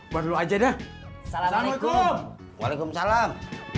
buat lu aja dah assalamualaikum waalaikumsalam